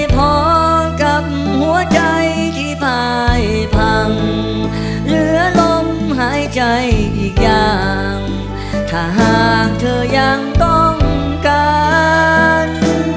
พังเหลือลมหายใจอีกอย่างถ้าหากเธอยังต้องการ